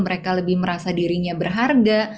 mereka lebih merasa dirinya berharga